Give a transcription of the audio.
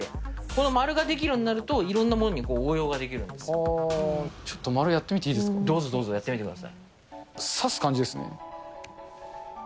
この丸ができるようになると、いろんなもんに応用ができるんでちょっと丸やってみていいでどうぞ、どうぞ、やってみて刺す感じですね。